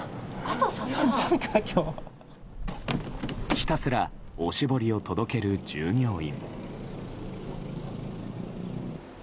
ひたすらおしぼりを届ける従業員。